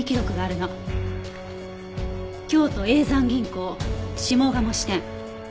京都叡山銀行下賀茂支店。